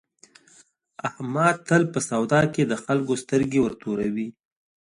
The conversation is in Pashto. احمد تل په سودا کې د خلکو سترګې ورتوروي.